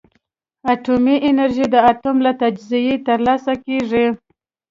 اټومي انرژي د اتوم له تجزیې ترلاسه کېږي.